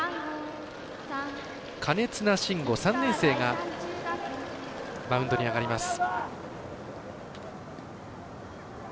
金綱伸悟、３年生がマウンドに上がります。